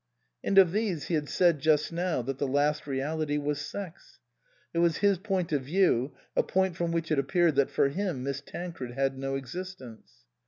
(And of these he had said just now that the last reality was sex. It was his point of view, a point from which it appeared that for him Miss Tancred had no existence.)